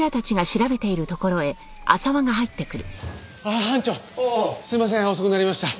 ああ班長すいません遅くなりました。